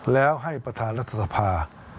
แล้วให้ประธานรัฐสภา